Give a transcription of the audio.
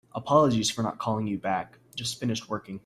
Apologies for not calling you back. Just finished working.